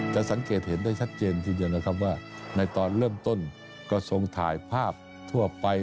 จะสังเกตเห็นได้ชัดเจนทีเดียวนะครับว่าในตอนเริ่มต้นก็ทรงถ่ายภาพทั่วไป